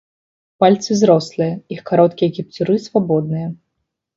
Пальцы зрослыя, іх кароткія кіпцюры свабодныя.